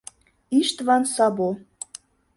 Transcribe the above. Иштван САБО